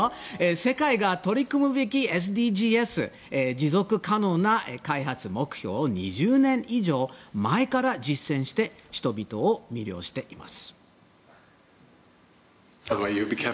世界が取り組むべきＳＤＧｓ持続可能な開発目標を２０年以上前から実践して人々を魅了しています。